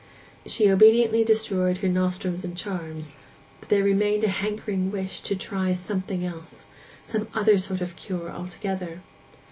She obediently destroyed her nostrums and charms; but there remained a hankering wish to try something else—some other sort of cure altogether.